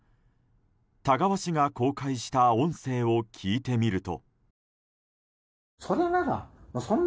田川市が公開した音声を聞いてみると。